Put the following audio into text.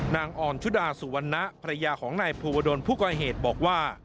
อ่อนชุดาสุวรรณะภรรยาของนายภูวดลผู้ก่อเหตุบอกว่า